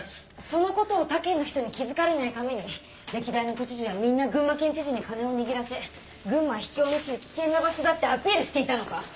そのことを他県の人に気付かれないために歴代の都知事はみんな群馬県知事に金を握らせ群馬は秘境の地で危険な場所だってアピールしていたのか？